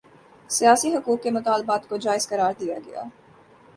سیاسی حقوق کے مطالبات کوجائز قرار دیا گیا